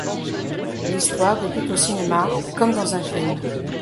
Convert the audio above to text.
L'histoire débute au cinéma, comme dans un film.